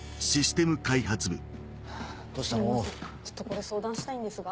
ちょっとこれ相談したいんですが。